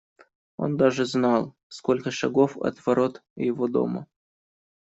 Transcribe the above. Он даже знал, сколько шагов от ворот его дома.